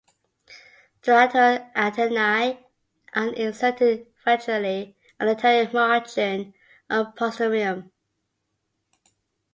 The lateral antennae are inserted ventrally on the anterior margin of prostomium.